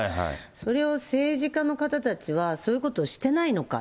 それを政治家の方たちはそういうことをしてないのか。